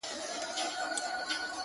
یو په یو یې د ژوند حال ورته ویلی٫